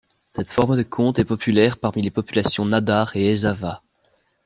Cette forme de conte est populaire parmi les populations Nadar et Ezhava.